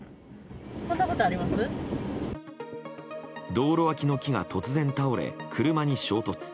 道路脇の木が突然倒れ車に衝突。